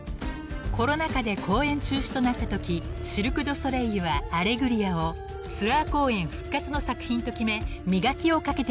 ［コロナ禍で公演中止となったときシルク・ドゥ・ソレイユは『アレグリア』をツアー公演復活の作品と決め磨きをかけてきました］